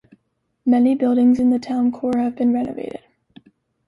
Many buildings in the town core have been renovated.